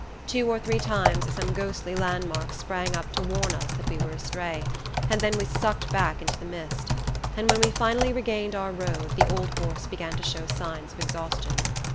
Two or three times some ghostly landmark sprang up to warn us that we were astray, and then was sucked back into the mist; and when we finally regained our road the old horse began to show signs of exhaustion.